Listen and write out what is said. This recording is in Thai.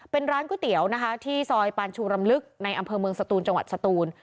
เป็นร้านก๋วยเตี๋ยวนะคะที่ซอยปานชูรำลึกในอำเภอเมืองสตูนจังหวัดสตูน